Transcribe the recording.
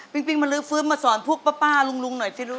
ปิ๊งอะไรเนี่ยมาสอนพวกป้ารุ่งหน่อยสิหรูก